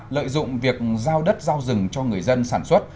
lợi dụng việc giao đất giao rừng cho người dân sản xuất